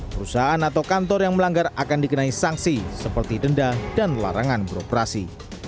perusahaan atau kantor yang melanggar akan dikenai sanksi seperti denda dan larangan beroperasi